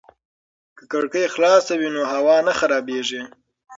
که کړکۍ خلاصې وي نو هوا نه خرابېږي.